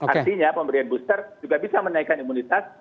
artinya pemberian booster juga bisa menaikkan imunitas